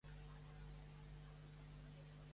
A tres hores d'aqu